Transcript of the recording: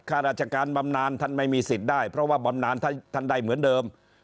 ข้าราชการบำนานท่านไม่มีสิทธิ์ได้เพราะว่าบำนานท่านได้เหมือนเดิม